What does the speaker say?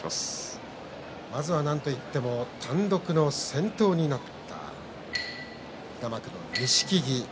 まずは、なんといっても単独の先頭になった平幕の錦木です。